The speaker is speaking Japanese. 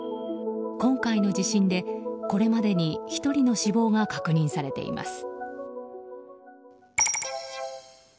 今回の地震でこれまでに１人の死亡が確認されています。